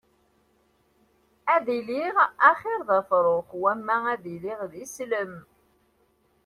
Ad iliɣ axiṛ d afṛux wama ad iliɣ d islem.